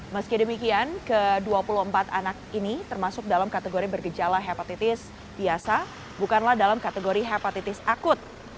meski demikian ke dua puluh empat anak ini termasuk dalam kategori bergejala hepatitis biasa bukanlah dalam kategori hepatitis akut